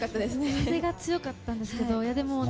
風が強かったんですがでも